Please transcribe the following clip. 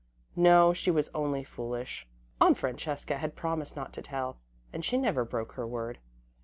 No, she was only foolish. Aunt Francesca had promised not to tell, and she never broke her word.